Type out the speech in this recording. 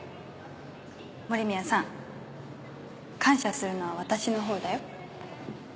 森宮さん感謝するのは私のほうだよ。